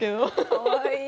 かわいい。